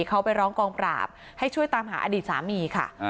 เขาไปร้องกองปราบให้ช่วยตามหาอดีตสามีค่ะ